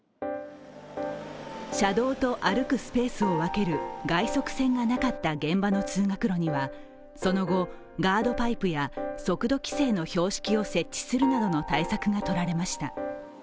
車道と歩くスペースを分ける外側線がなかった現場の通学路にはその後、ガードパイプや速度規制の標識を設置するなどの対策がとられました。